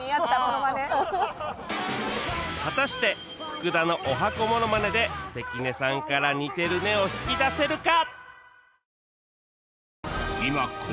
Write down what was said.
果たして福田のおはこものまねで関根さんから「似てるね！」を引き出せるか？